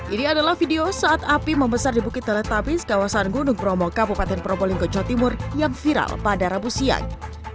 ini adalah video saat api membesar di bukit teletabis kawasan gunung bromo kabupaten probolinggo jawa timur yang viral pada rabu siang